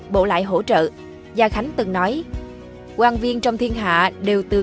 bí mật đời tư